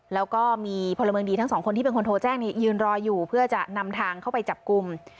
แล้วก็มีพลเมืองดีทั้งสองคนที่เป็นคนโทรแจ้งยืนรออยู่เพื่อจะนำทางเข้าไปจับกลุ่ม